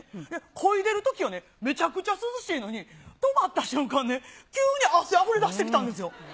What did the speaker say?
こいでたら、めちゃくちゃ涼しいのに、止まった瞬間ね、急に汗あふれ出してきたんですよ。